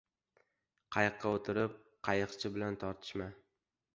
• Qayiqqa o‘tirib qayiqchi bilan tortishma.